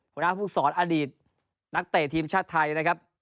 หัวหน้าผู้สอนอดีตนักเตะทีมชาติไทยนะครับ